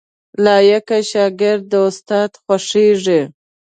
لايق شاګرد د استاد خوښیږي